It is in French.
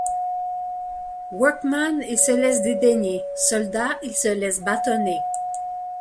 Workman, il se laisse dédaigner ; soldat, il se laisse bâtonner.